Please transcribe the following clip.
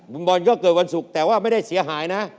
บอลก็เกิดวันศุกร์แต่ว่าไม่ได้เสียหายนะ